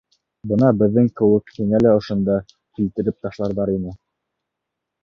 Бына беҙҙең кеүек һине лә ошонда килтереп ташларҙар ине.